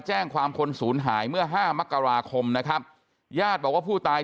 แจ้งความคนศูนย์หายเมื่อห้ามกราคมนะครับญาติบอกว่าผู้ตาย